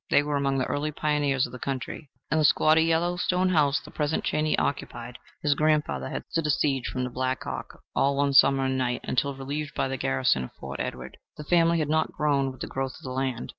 They were among the early pioneers of the county. In the squatty yellow stone house the present Chaney occupied his grandfather had stood a siege from Black Hawk all one summer day and night, until relieved by the garrison of Fort Edward. The family had not grown with the growth of the land.